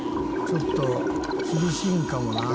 「ちょっと厳しいんかもな」